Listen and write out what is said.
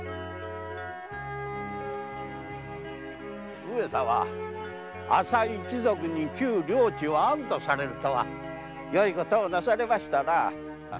上様朝井一族に旧領地を安どされるとはよい事をなされましたな。